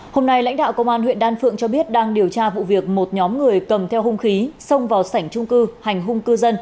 hôm nay lãnh đạo công an huyện đan phượng cho biết đang điều tra vụ việc một nhóm người cầm theo hung khí